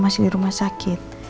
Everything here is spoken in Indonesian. masih di rumah sakit